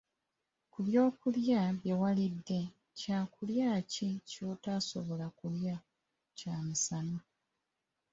Ku byokulya bye wali olidde, kyakulya ki ky'otasobola kulya ku kyamisana?